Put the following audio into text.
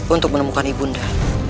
untuk menemukan ibu nda